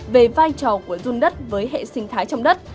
về vai trò của run đất với hệ sinh thái trong đất